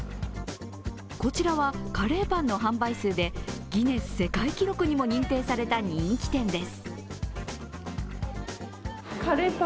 こちらは、カレーパンの販売数でギネス世界記録にも認定された人気店です。